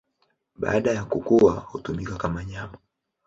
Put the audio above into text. Baada ya kukua hutumika kama nyama.